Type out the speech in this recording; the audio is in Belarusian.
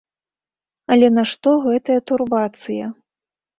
Але нашто гэта турбацыя?